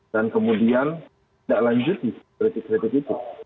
dan kemudian tidak lanjuti kritik kritik itu